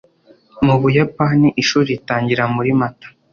mu buyapani, ishuri ritangira muri mata